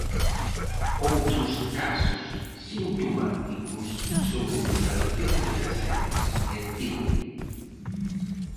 Outros casos sintomáticos son o de Salceda de Caselas e Teo.